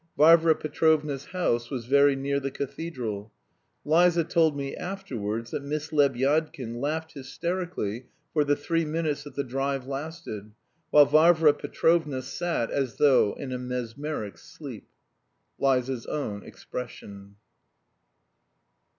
Varvara Petrovna's house was very near the cathedral. Liza told me afterwards that Miss Lebyadkin laughed hysterically for the three minutes that the drive lasted, while Varvara Petrovna sat "as though in a mesmeric sleep." Liza's own expression.